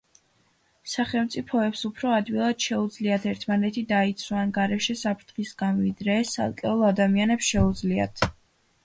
სახელმწიფოებს უფრო ადვილად შეუძლიათ ერთმანეთი დაიცვან გარეშე საფრთხისგან, ვიდრე ეს ცალკეულ ადამიანებს შეუძლიათ.